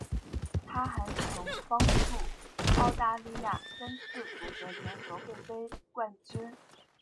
她还曾帮助澳大利亚三次夺得联合会杯冠军。